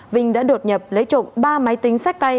vinh đã đột nhập lấy trộm ba máy tính sách tay